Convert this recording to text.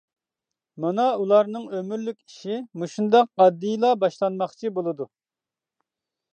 مانا ئۇلارنىڭ ئۆمۈرلۈك ئىشى مۇشۇنداق ئاددىيلا باشلانماقچى بولىدۇ.